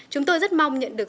chúng tôi rất mong nhận được